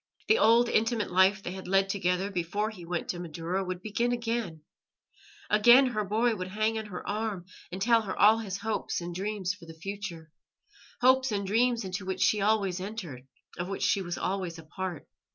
The old, intimate life they had led together before he went to Madaura would begin again. Again her boy would hang on her arm and tell her all his hopes and dreams for the future hopes and dreams into which she always entered, of which she was always part.